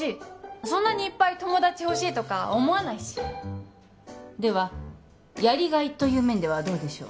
そんなにいっぱい友達欲しいとか思わないしではやりがいという面ではどうでしょう？